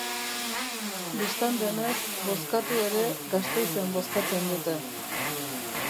Bistan denez, bozkatu ere, Gasteizen bozkatzen dute.